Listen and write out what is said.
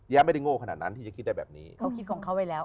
ไม่ได้โง่ขนาดนั้นที่จะคิดได้แบบนี้เขาคิดของเขาไว้แล้ว